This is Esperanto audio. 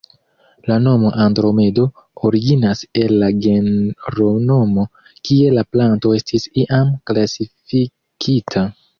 La nomo "andromedo" originas el la genronomo, kie la planto estis iam klasifikita.